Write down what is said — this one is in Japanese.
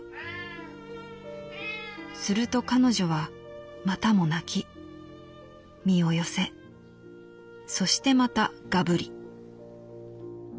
すると彼女はまたも啼き身を寄せそしてまたガブリ」。